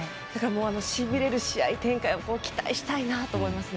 しびれる試合展開を期待したいなと思います。